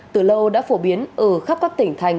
từ lâu đã phổ biến ở khắp các tỉnh thành